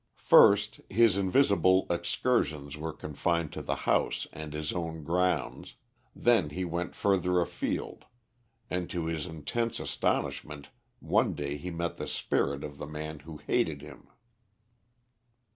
First his invisible excursions were confined to the house and his own grounds, then he went further afield, and to his intense astonishment one day he met the spirit of the man who hated him.